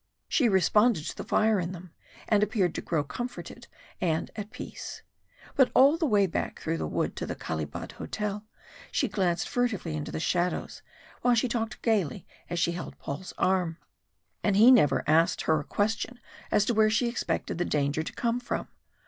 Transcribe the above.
She responded to the fire in them, and appeared to grow comforted and at peace. But all the way back through the wood to the Kalibad Hotel she glanced furtively into the shadows, while she talked gaily as she held Paul's arm. And he never asked her a question as to where she expected the danger to come from.